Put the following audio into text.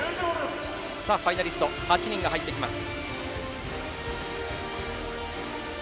ファイナリスト８人が入ってきます。